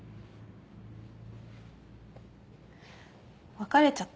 別れちゃった。